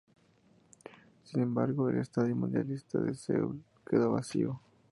Sin embargo, el Estadio Mundialista de Seúl quedó vacío.